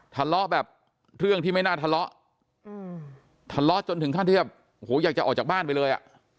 ทะเลาะแบบเรื่องที่ไม่น่าทะเลาะทะเลาะจนถึงขั้นที่แบบโอ้โหอยากจะออกจากบ้านไปเลยอ่ะ